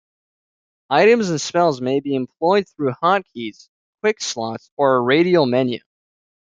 Items and spells may be employed through hotkeys, "quick slots", or a radial menu.